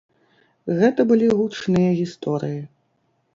Гэта былі гучныя гісторыі.